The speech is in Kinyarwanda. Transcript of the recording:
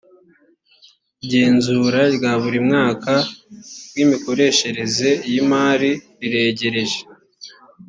igenzura rya buri mwaka ry’imikoreshereze y’imari riregereje